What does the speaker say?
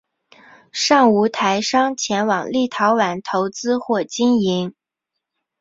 尚无台商前往立陶宛投资或经营。